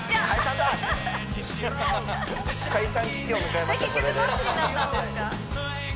はい